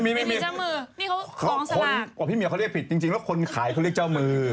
ไม่มีเจ้ามือพี่เมียเขาเรียกผิดจริงแล้วคนขายเขาเรียกเจ้ามือ